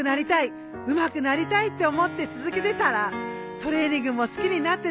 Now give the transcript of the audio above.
うまくなりたいって思って続けてたらトレーニングも好きになってたんだ。